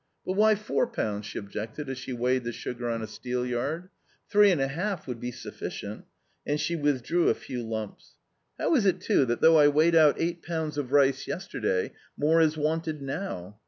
"But why FOUR pounds?" she objected as she weighed the sugar on a steelyard. "Three and a half would be sufficient," and she withdrew a few lumps. "How is it, too, that, though I weighed out eight pounds of rice yesterday, more is wanted now?